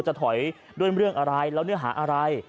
จะถอยด้วยเรื่องอะไรแล้วเนื้อหาอะไร